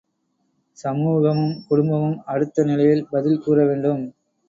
சமூகமும் குடும்பமும் அடுத்த நிலையில் பதில் கூறவேண்டும்.